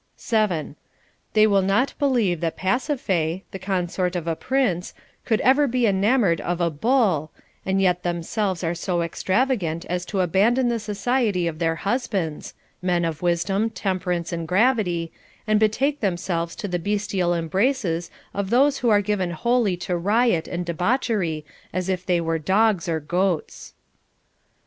7. They will not believe that Pasiphae, the consort of a prince, could ever be enamored of a bull, and yet themselves are so extravagant as to abandon the society of their husbands, — men of wisdom, temperance, and gravity, — and betake themselves to the bestial embraces of those who are given wholly to riot and debauchery as if they were dogs or goats.